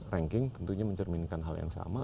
ranking tentunya mencerminkan hal yang sama